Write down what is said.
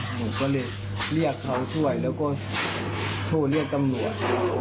หนูก็เลยเรียกเขาช่วยแล้วก็โทรเรียกตำรวจ